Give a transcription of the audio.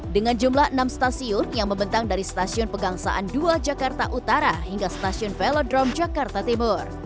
dengan jumlah enam stasiun yang membentang dari stasiun pegangsaan dua jakarta utara hingga stasiun velodrome jakarta timur